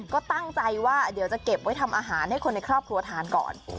ก็ตั้งใจว่าเดี๋ยวจะเก็บไว้ทำอาหารให้คนในครอบครัวทานก่อน